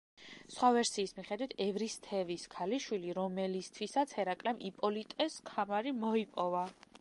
სხვა ვერსიის მიხედვით, ევრისთევსის ქალიშვილი, რომელისთვისაც ჰერაკლემ იპოლიტეს ქამარი მოიპოვა.